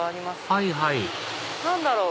はいはい何だろう？